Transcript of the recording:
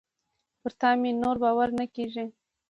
پر تا مي نور باور نه کېږي .